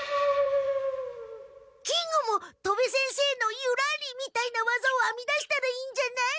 金吾も戸部先生の「ユラリ」みたいなわざをあみ出したらいいんじゃない？